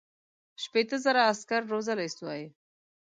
شپېته زره عسکر روزلای سوای.